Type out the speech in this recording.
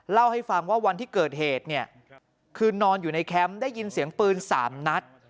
เล่าให้ฟังว่าวันที่เกิดเหตุเนี่ยคือนอนอยู่ในแคมป์ได้ยินเสียงปืน๓นัด